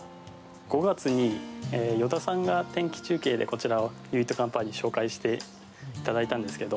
５月に依田さんが天気中継でユイット・カンパーニュを紹介していただいたんですけど。